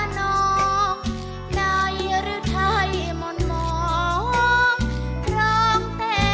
โปรดติดตามตอนต่อไป